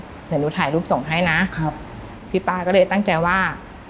เดี๋ยวหนูถ่ายรูปส่งให้นะครับพี่ป้าก็เลยตั้งใจว่า